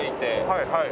はいはい。